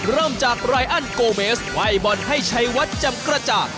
เริ่มจากรายอันโกเมสไวบอลให้ชัยวัดจำกระจ่าง